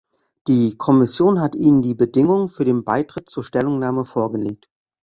Die Kommission hat Ihnen die Bedingungen für den Beitritt zur Stellungnahme vorgelegt.